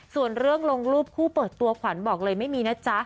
ส่วนเรื่องลงรูปคู่เปิดตัวขวัญบอกเลยไม่มีนะจ๊ะ